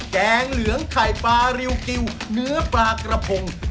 แกงเหลืองไข่ปลาริวกิวเนื้อปลากระพง